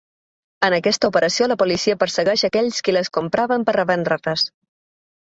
En aquesta operació la policia persegueix aquells qui les compraven per revendre-les.